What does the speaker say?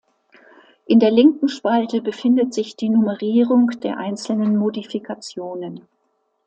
In der linken Spalte befindet sich die Nummerierung der einzelnen Modifikationen.